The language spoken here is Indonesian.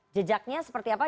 jejaknya seperti apa